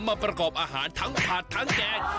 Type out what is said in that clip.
มาประกอบอาหารทั้งผัดทั้งแกง